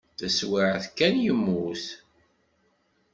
Taswiɛt kan yemmut.